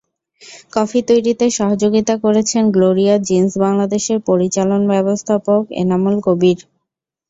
Coffee তৈরিতে সহযোগিতা করেছেন গ্লোরিয়া জিনস বাংলাদেশের পরিচালন ব্যাবস্থাপক এনামুল কবির।